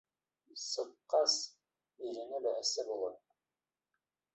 Сыҡҡас, иренә лә әсә була.